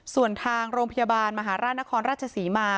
ส่วนทางโรงพยาบาลมหาราชนครราชศรีมา